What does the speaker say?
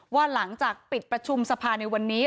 ว่าหลังจากปิดประชุมสภาในวันนี้